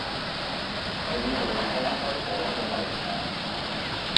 The mirrors also fold the light path.